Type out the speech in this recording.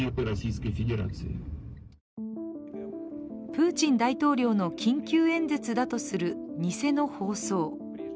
プーチン大統領の緊急演説だとする偽の放送。